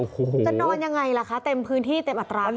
จะนอนยังไงล่ะคะเต็มพื้นที่เต็มอัตราขนาดนี้